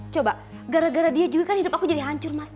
coba gara gara dia juga kan hidup aku jadi hancur mas